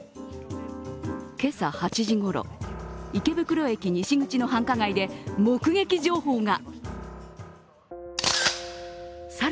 今朝８時ごろ、池袋駅に司口の繁華街で目撃情報が。